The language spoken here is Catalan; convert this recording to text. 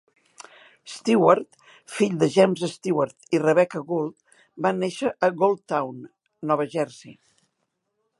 Steward, fill de James Steward i Rebecca Gould, va néixer a Gouldtown, Nova Jersey.